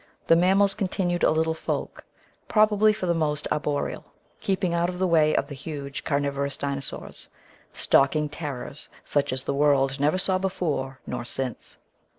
The mammals continued a little folk, probably for the most arboreal, keeping out of the way of the huge carnivorous dinosaurs, ''stalking terrors such as the world never saw before nor since."